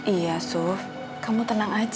iya suf kamu tenang aja